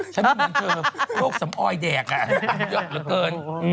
ฉันเหมือนเธอโรคสำออยแดกเยอะเหลือเกิน